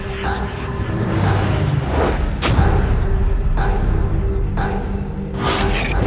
recorsi murah karat